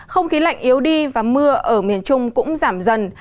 không khí lạnh yếu đi và mưa ở miền trung cũng giảm dần